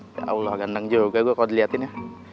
ya allah gandeng juga gue kalau diliatin ya